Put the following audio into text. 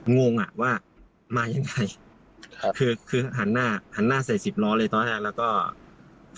งงอ่ะว่ามายังไงคือหันหน้าใส่สิบล้อเลยตอนแรก